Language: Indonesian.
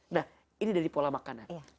nah ini dari pola makanan